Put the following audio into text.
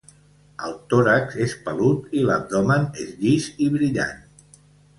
El tòrax és pelut i l'abdomen és llis i brillant.